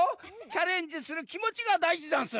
チャレンジするきもちがだいじざんす！